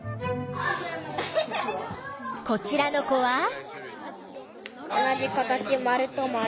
こちらの子は？